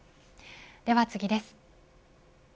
では次です。